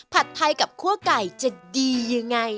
ไทยกับคั่วไก่จะดียังไง